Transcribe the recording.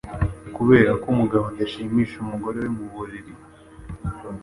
kubera ko umugabo adashimisha umugore we mu buriri.